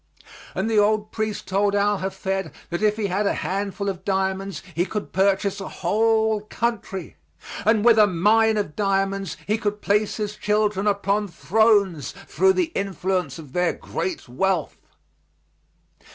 And the old priest told Al Hafed that if he had a handful of diamonds he could purchase a whole country, and with a mine of diamonds he could place his children upon thrones through the influence of their great wealth.